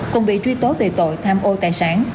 cùng bị truy tố về tội tham ô tài sản